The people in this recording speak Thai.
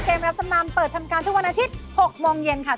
รับจำนำเปิดทำการทุกวันอาทิตย์๖โมงเย็นค่ะ